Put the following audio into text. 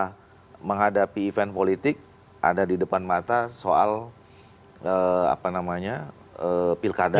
karena menghadapi event politik ada di depan mata soal apa namanya pilkada